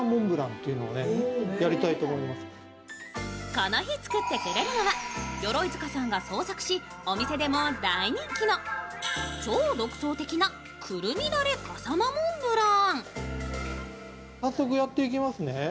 この日、作ってくれるのは鎧塚さんが創作しお店でも大人気の超独創的な胡桃だれ笠間モンブラン。